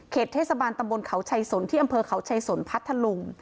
เทศบาลตำบลเขาชัยสนที่อำเภอเขาชัยสนพัทธลุง